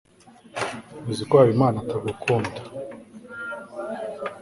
uzi ko habimana atagukunda